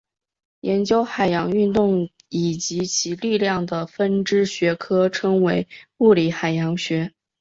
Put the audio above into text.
研究海洋运动以及其力量的分支学科称为物理海洋学。